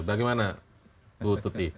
bagaimana ibu tuti